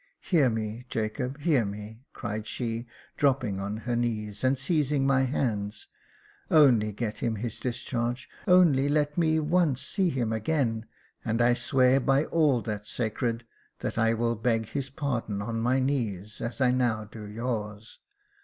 Hear me, Jacob, hear me," cried she, dropping on her knees, and seizing my hands ;" only get him his discharge — only let me once see him again, and I swear by all that's sacred, that I will beg his pardon on my knees as I now do yours.